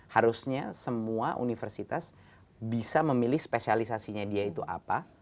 harusnya semua universitas bisa memilih spesialisasinya dia itu apa